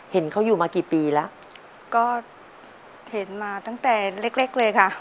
เห็นเขาอยู่มากี่ปีแล้วก็เห็นมาตั้งแต่เล็กเลยค่ะ